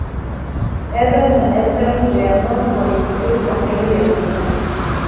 edward na ethel beanov walisafiri kwa meli ya titanic